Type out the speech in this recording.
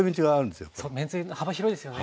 そうめんつゆ幅広いですよね。